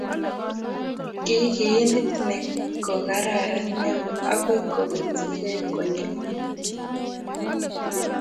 ki kiindit ne kokararan neo akoi koketyigei konyil Mut